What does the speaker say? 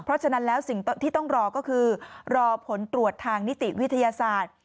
เพราะฉะนั้นแล้วสิ่งที่ต้องรอก็คือรอผลตรวจทางนิติวิทยาศาสตร์